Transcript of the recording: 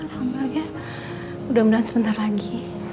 sabarnya udah mudah sebentar lagi